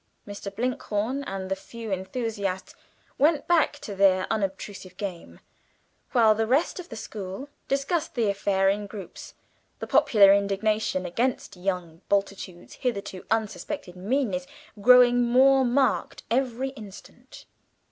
Mr. Blinkhorn and the few enthusiasts went back to their unobtrusive game, while the rest of the school discussed the affair in groups, the popular indignation against young Bultitude's hitherto unsuspected meanness growing more marked every instant.